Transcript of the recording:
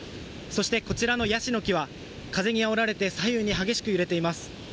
そしてこちらのヤシの木は風にあおられて左右に激しく揺れています。